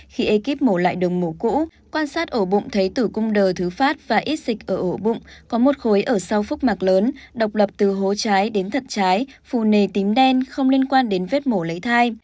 khi ekip mổ lại đồng mổ cũ quan sát ổ bụng thấy tử cung đờ thứ phát và ít dịch ở ổ bụng có một khối ở sau phúc mạc lớn độc lập từ hố trái đến thật trái phù nề tím đen không liên quan đến vết mổ lấy thai